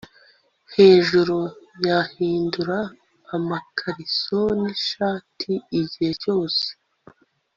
hejuru; yahindura amakariso yishati igihe cyose